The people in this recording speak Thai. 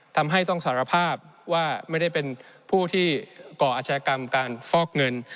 ทำให้ต้องสารภาพว่าไม่ได้เป็นผู้ที่ก่ออาชญากรรมการฟอกเงิน